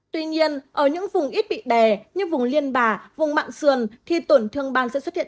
tuy nhiên ở những vùng ít bị đè như vùng liên bà vùng mạng sườn thì tổn thương ban sẽ xuất hiện